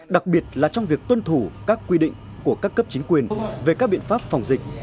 đặc biệt là trong việc tuân thủ các quy định của các cấp chính quyền về các biện pháp phòng dịch